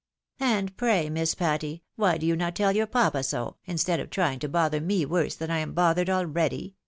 " And pray. Miss Patty, why do you not tell your papa so, instead of trying to bother me worse than I am bothered already